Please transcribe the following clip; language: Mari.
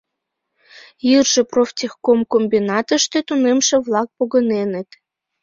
Йырже профтехкомбинатыште тунемше-влак погыненыт.